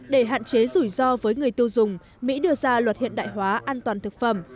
để hạn chế rủi ro với người tiêu dùng mỹ đưa ra luật hiện đại hóa an toàn thực phẩm